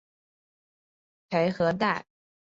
佩和代。